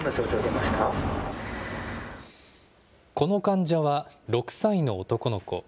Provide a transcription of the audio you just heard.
この患者は、６歳の男の子。